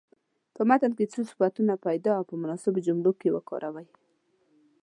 په متن کې څو صفتونه پیدا او په مناسبو جملو کې وکاروئ.